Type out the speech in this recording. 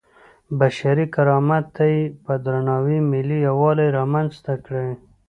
بشري کرامت ته یې په درناوي ملي یووالی رامنځته کړی.